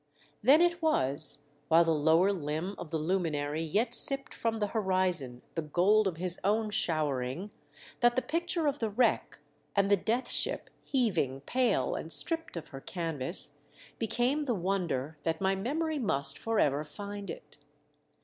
Then it was, while the lower limb of the luminary yet sipped from the horizon the gold of his own showering, that the picture of the 3IO THE DEATH SHIP. wreck, and the Death Ship heaving pale and stripped of her canvas, became the wonder that my memory must for ever find it.